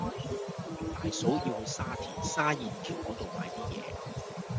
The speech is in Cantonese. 大嫂要去沙田沙燕橋嗰度買啲嘢